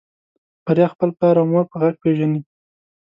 بريا خپل پلار او مور په غږ پېژني.